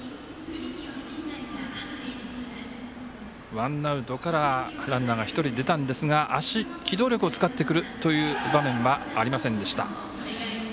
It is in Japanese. ワンアウトからランナーが１人出たんですが足、機動力を使ってくるという場面はありませんでした。